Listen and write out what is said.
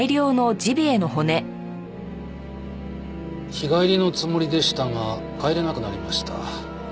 日帰りのつもりでしたが帰れなくなりました。